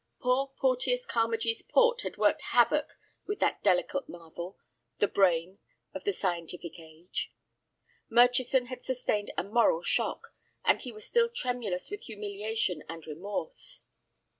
Poor Porteus Carmagee's port had worked havoc with that delicate marvel, the brain of the scientific age. Murchison had sustained a moral shock, and he was still tremulous with humiliation and remorse.